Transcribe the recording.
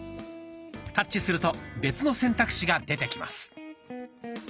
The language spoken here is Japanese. タッチすると別の選択肢が出てきます。